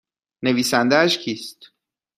نویسندهاش کیست؟